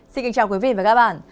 xin kính chào quý vị và các bạn